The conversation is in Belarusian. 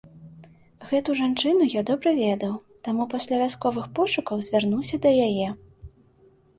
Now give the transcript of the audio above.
Гэту жанчыну я добра ведаў, таму пасля вясковых пошукаў звярнуўся да яе.